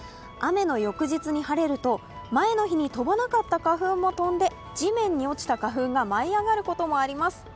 雨の翌日に晴れると、前の日に飛ばなかった花粉も飛んで、地面に落ちた花粉が舞い上がることもあります。